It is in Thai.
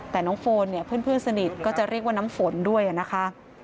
แต่น้องโฟนเนี่ยเพื่อนสนิทก็จะเรียกว่าน้ำฝนด้วยนะคะ